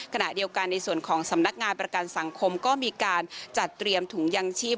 ขณะเดียวกันในส่วนของสำนักงานประกันสังคมก็มีการจัดเตรียมถุงยังชีพ